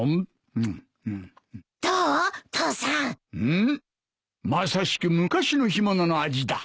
うんまさしく昔の干物の味だ。